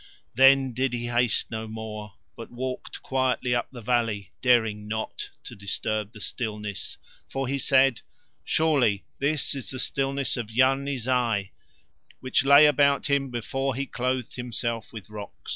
Then did he haste no more, but walked quietly up the valley, daring not to disturb the stillness, for he said: "Surely this is the stillness of Yarni Zai, which lay about him before he clothed himself with rocks."